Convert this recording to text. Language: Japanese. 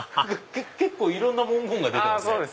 結構いろんな文言が出てますね。